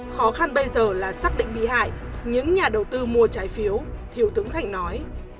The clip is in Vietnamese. khó khăn bây giờ là xác định bị hại những nhà đầu tư mua trái phiếu thiếu tướng thạnh nói